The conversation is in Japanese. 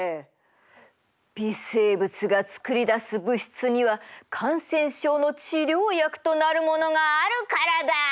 微生物が作り出す物質には感染症の治療薬となるものがあるからだ！